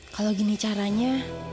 kalau gini caranya